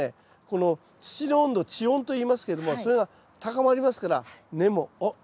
この土の温度地温といいますけどもそれが高まりますから根も「おっ！」